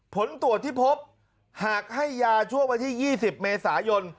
ผลตรวจที่พบหากให้ยาช่วงวันที่๒๐เมษายน